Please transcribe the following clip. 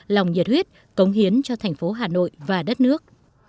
lòng nhiệt huyết cống hiến cho thành phố hà nội và đất nước